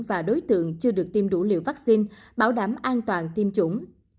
và đối tượng chưa được tiêm đủ liều vaccine bảo đảm an toàn tiêm chủng